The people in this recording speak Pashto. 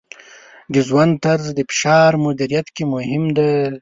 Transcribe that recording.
د ژوند طرز د فشار مدیریت کې مهم دی.